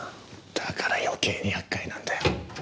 だから余計に厄介なんだよ。